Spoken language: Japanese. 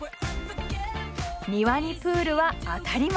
庭にプールは当たり前。